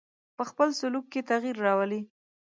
په خپل سلوک کې تغیر راولي.